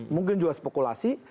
mungkin juga spekulasi